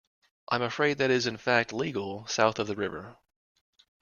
I'm afraid that is in fact legal south of the river.